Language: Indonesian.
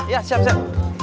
iya siap siap